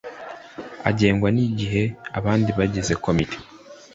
Agengwa n igihe abandi bagizekomite